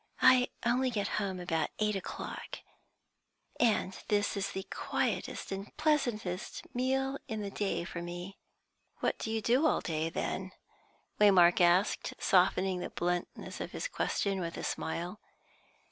"I only get home about eight o'clock, and this is the quietest and pleasantest meal in the day for me." "What do you do all day, then?" Waymark asked, softening the bluntness of his question with a smile.